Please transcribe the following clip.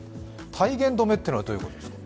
体言止めってどういうことですか？